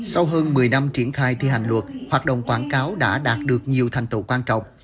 sau hơn một mươi năm triển khai thi hành luật hoạt động quảng cáo đã đạt được nhiều thành tựu quan trọng